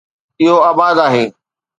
اهو آباد آهي